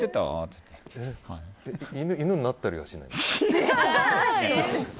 犬になったりはしない？